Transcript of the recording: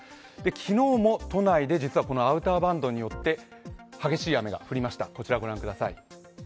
昨日も都内で実はアウターバンドによって激しい雨が降りました